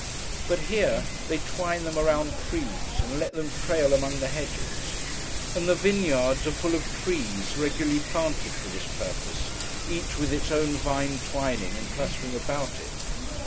But, here, they twine them around trees, and let them trail among the hedges; and the vineyards are full of trees, regularly planted for this purpose, each with its own vine twining and clustering about it.